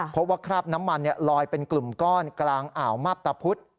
เพราะว่าคราบน้ำมันลอยเป็นกลุ่มก้อนกลางอ่าวมาบตะพุธ